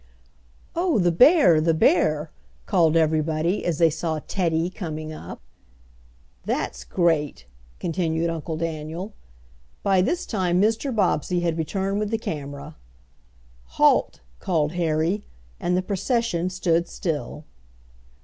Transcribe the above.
"Oh, the bear! the bear!" called everybody, as they saw "Teddy" coming up. "That's great," continued Uncle Daniel. By this time Mr. Bobbsey had returned with the camera. "Halt!" called Harry, and the procession stood still.